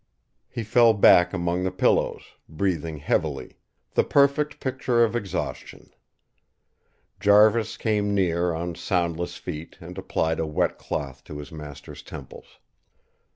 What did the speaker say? He fell back among the pillows, breathing heavily, the perfect picture of exhaustion. Jarvis came near on soundless feet and applied a wet cloth to his master's temples.